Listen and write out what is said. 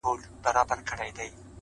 پوهه د غوره راتلونکي رڼا ده؛